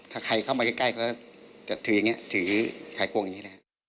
ถ้าใครเข้ามาใกล้เค้าจะถือไข่ควงอย่างนี้